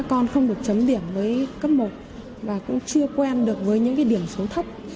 con không được chấm điểm với cấp một và cũng chưa quen được với những điểm số thấp